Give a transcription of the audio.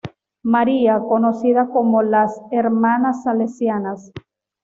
María, conocida como las "Hermanas Salesianas".